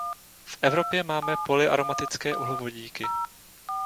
V Evropě máme polyaromatické uhlovodíky.